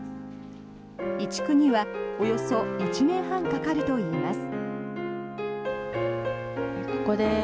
移築にはおよそ１年半かかるといいます。